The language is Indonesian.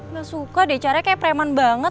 nggak suka deh caranya kayak preman banget